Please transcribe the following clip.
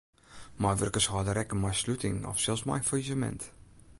Meiwurkers hâlde rekken mei sluting of sels mei in fallisemint.